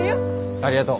ありがとう。